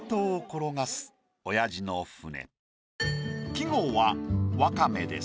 季語は「わかめ」です。